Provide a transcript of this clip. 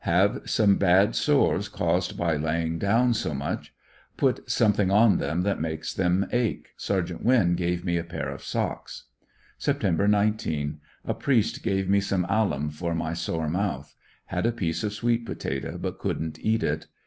Have some bad sores caused by laying down so much; put something on them that makes them ache. Sergt. Winn gave me a pair of socks. Sept. 19. — A priest gave me some alum for my sore mouth. Had a piece of sweet potato, but couldn't eat it.